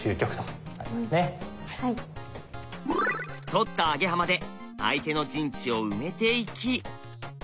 取ったアゲハマで相手の陣地を埋めていき。